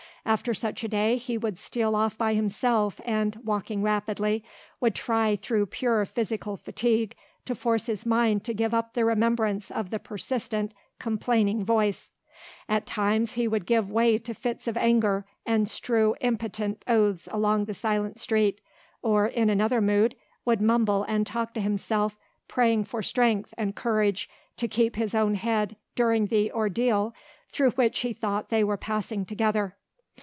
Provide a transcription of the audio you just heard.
After such a day he would steal off by himself and, walking rapidly, would try through pure physical fatigue to force his mind to give up the remembrance of the persistent, complaining voice. At times he would give way to fits of anger and strew impotent oaths along the silent street, or, in another mood, would mumble and talk to himself, praying for strength and courage to keep his own head during the ordeal through which he thought they were passing together.